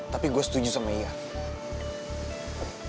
tapi gua setuju sama ian